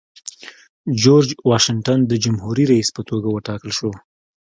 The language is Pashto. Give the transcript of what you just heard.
جورج واشنګټن د جمهوري رئیس په توګه وټاکل شو.